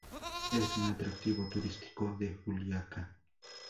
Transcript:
Es un atractivo turístico de Juliaca.